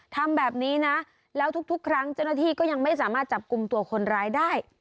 ทำแบบนี้นะแล้วทุกครั้งเจ้าหน้าที่ก็ยังไม่สามารถจับกลุ่มตัวคนร้ายได้